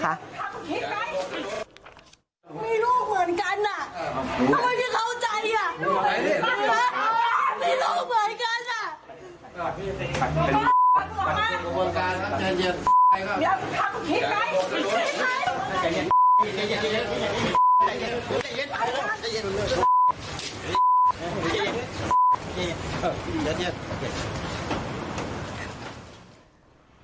เขาไม่ได้เข้าใจไม่รู้เหมือนกัน